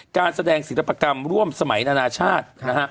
การแสดงศิลปกรรมร่วมสมัยนานาชาตินะฮะ